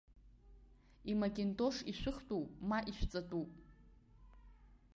Имакентош ишәыхтәуп, ма ишәҵатәуп.